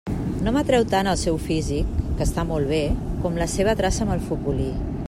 No m'atreu tant el seu físic, que està molt bé, com la seva traça amb el futbolí.